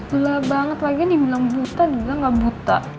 gila banget lagi ini dibilang buta dibilang gak buta